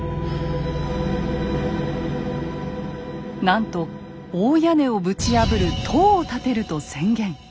なんと大屋根をぶち破る塔を建てると宣言。